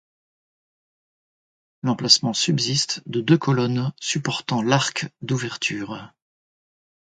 L'emplacement subsiste de deux colonnes supportant l'arc d'ouverture.